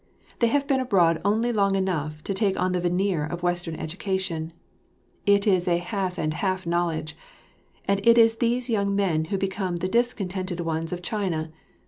They have been abroad only long enough to take on the veneer of Western education; it is a half and half knowledge; and it is these young men who become the discontented ones of China.